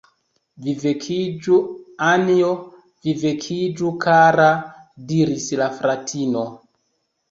"Vi vekiĝu, Anjo, vi vekiĝu, kara," diris la fratino.